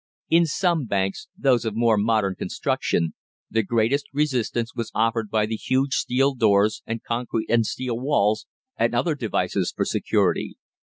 In some banks those of more modern construction the greatest resistance was offered by the huge steel doors and concrete and steel walls and other devices for security.